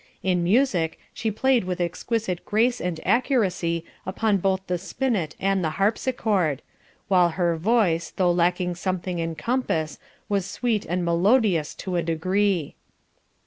In music she played with exquisite grace and accuracy upon both the spinet and the harpsichord, while her voice, though lacking something in compass, was sweet and melodious to a degree."